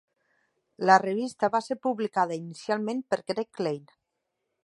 La revista va ser publicada inicialment per Greg Lane.